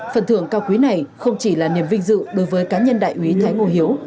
phần thưởng cao quý này không chỉ là niềm vinh dự đối với cá nhân đại úy thái ngô hiếu